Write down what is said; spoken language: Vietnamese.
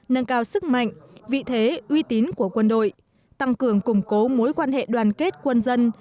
nâng cao sức mạnh vị thế uy tín của quân đội tăng cường củng cố mối quan hệ đoàn kết quân dân